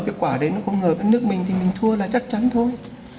cái quả đấy nó không hợp với nước mình thì mình thua là chắc chắn thôi